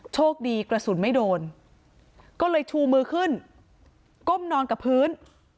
โชคดีกระสุนไม่โดนก็เลยชูมือขึ้นก้มนอนกับพื้น